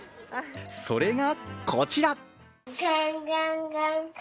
それがこちら。